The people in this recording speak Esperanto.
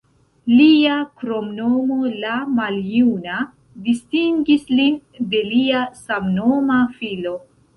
Lia kromnomo "la maljuna" distingis lin de lia samnoma filo.